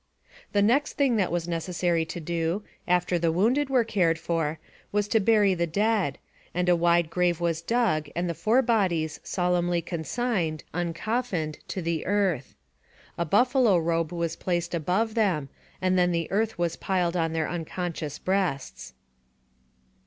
The next thing that was necessary to do, after the wounded were cared for, was to bury the dead, and a wide grave was dug and the four bodies solemnly con signed, uncoffined, to the earth. A buffalo robe was placed above them, and then the earth was piled on their unconscious breasts.